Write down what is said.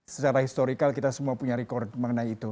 secara historikal kita semua punya record mengenai itu